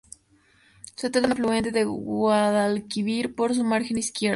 Se trata de un afluente del Guadalquivir por su margen izquierda.